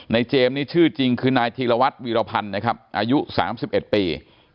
เจมส์นี่ชื่อจริงคือนายธีรวัตรวีรพันธ์นะครับอายุ๓๑ปี